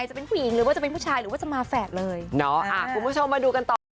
เดี๋ยวรอดูแล้วกันนะคะ